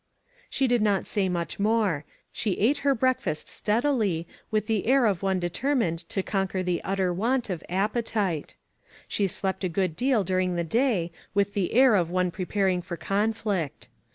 She did not say much more. She ate her breakfast steadily, with the air of one deter mined to conquer the utter want of appe tite. She slept a good deal during the day, with the air of one preparing for conflict.